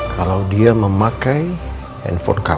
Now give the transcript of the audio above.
kalau dia memakai handphone